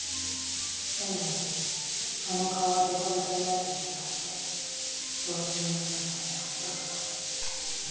でもその顔がデフォルトになってる気がして、どうしようもなさに泣きたくなる」。